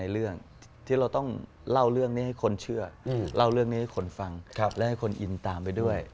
เล่าเรื่องนี้ให้คนฟังและให้คนอินตามไปด้วย